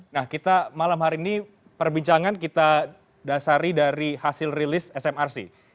nah kita malam hari ini perbincangan kita dasari dari hasil rilis smrc